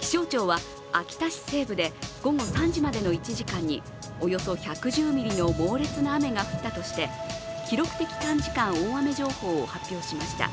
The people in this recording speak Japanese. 気象庁は秋田市西部で午後３時までの１時間におよそ１１０ミリの猛烈な雨が降ったとして記録的短時間大雨情報を発表しました。